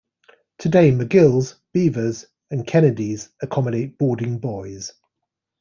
Today McGill's, Beevor's and Kennedy's accommodate boarding boys.